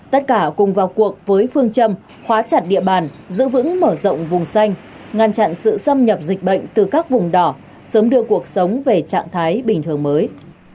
tất cả cùng vào cuộc với phương châm khóa chặt địa bàn giữ vững mở rộng vùng xanh ngăn chặn sự xâm nhập dịch bệnh từ các vùng đỏ sớm đưa cuộc sống về trạng thái bình thường mới